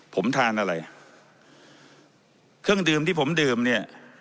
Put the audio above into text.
ผมทานอะไรเครื่องดื่มที่ผมดื่มเนี่ย